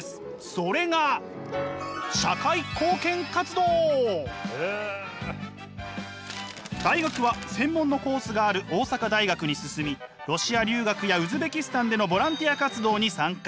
それが大学は専門のコースがある大阪大学に進みロシア留学やウズベキスタンでのボランティア活動に参加。